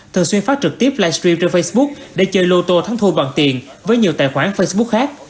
thường xuyên phát trực tiếp livestream trên facebook để chơi lô tô thắng thu bằng tiền với nhiều tài khoản facebook khác